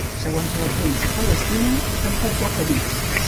Segons la premsa palestina, tampoc hi ha ferits.